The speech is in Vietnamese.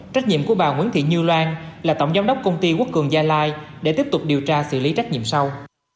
trách nhiệm của bà nguyễn thị như loan là tổng giám đốc công ty quốc cường gia lai để tiếp tục điều tra xử lý trách nhiệm sau